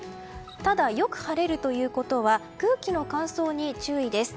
ただ、よく晴れるということは空気の乾燥に注意です。